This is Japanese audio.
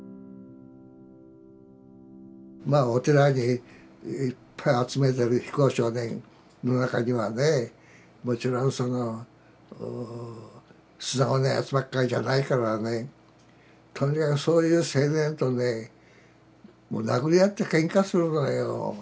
まあお寺にいっぱい集めてる非行少年の中にはねもちろんその素直なやつばっかりじゃないからねとにかくそういう青年とねもう殴り合ってケンカするのよ。